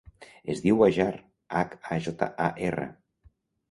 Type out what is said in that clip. Es diu Hajar: hac, a, jota, a, erra.